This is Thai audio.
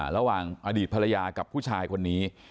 ระหว่างอดีตภรรยากับผู้ชายคนนี้